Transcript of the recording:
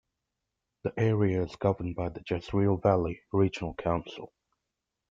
The area is governed by the Jezreel Valley Regional Council.